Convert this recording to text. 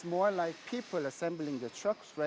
lebih seperti orang orang menggabungkan truk